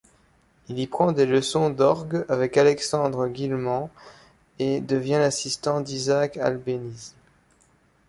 Il y prend des leçons d'orgue avec Alexandre Guilmant et devient l'assistant d'Isaac Albéniz.